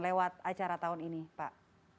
lewat acara tahun ini pak